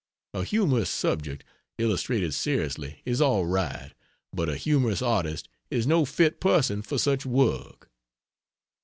A humorous subject illustrated seriously is all right, but a humorous artist is no fit person for such work.